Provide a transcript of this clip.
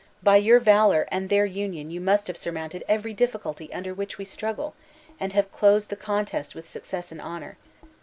by your valor and their union you must have surmounted every difficulty under which we struggle, and have closed the contest with success and honor.